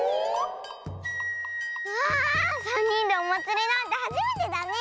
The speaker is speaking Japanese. わあさんにんでおまつりなんてはじめてだね！